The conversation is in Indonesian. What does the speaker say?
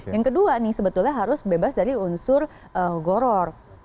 yang kedua nih sebetulnya harus bebas dari unsur goror